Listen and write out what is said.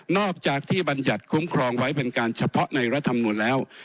อกจากที่บรรยัติคุ้มครองไว้เป็นการเฉพาะในรัฐมนุนแล้ว